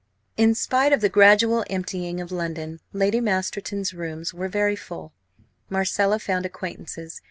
In spite of the gradual emptying of London, Lady Masterton's rooms were very full. Marcella found acquaintances.